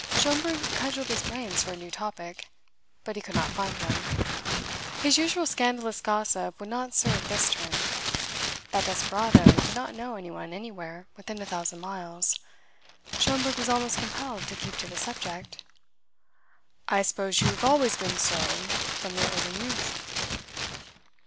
Schomberg cudgelled his brains for a new topic, but he could not find one. His usual scandalous gossip would not serve this turn. That desperado did not know anyone anywhere within a thousand miles. Schomberg was almost compelled to keep to the subject. "I suppose you've always been so from your early youth."